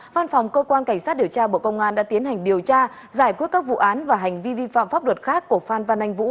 văn phòng cơ quan cảnh sát điều tra bộ công an đã tiến hành điều tra giải quyết các vụ án và hành vi vi phạm pháp luật khác của phan văn anh vũ